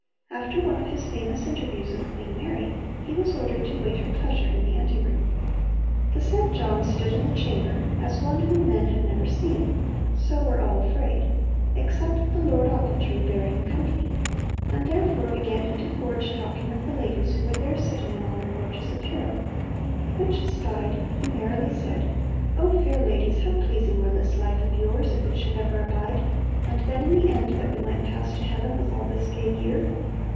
After one of his famous interviews with Queen Mary, he was ordered to wait her pleasure in the ante room. 'The said John stood in the chamber, as one whom men had never seen (so were all afraid), except that the Lord Ochiltree bare him company; and therefore began he to forge talking of the ladies who were there sitting in all their gorgeous apparel; which espied, he merrily said, "O fair ladies, how pleasing were this life of yours if it should ever abide, and then in the end that we might pass to heaven with all this gay gear.